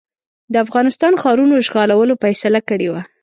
د افغانستان ښارونو اشغالولو فیصله کړې وه.